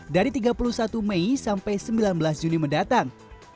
dari tiga puluh satu mei sampai sembilan belas juni mendatang